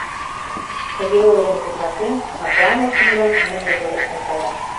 Тыге ойлен кошартен, Акланов Мирон мӧҥгыжӧ лектын кая.